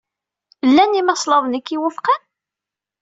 Llan yimaslaḍen ay k-iwufqen?